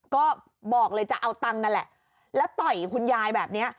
ก็บอกเลยจะเอาตังค์นั่นแหละแล้วต่อยคุณยายแบบเนี้ย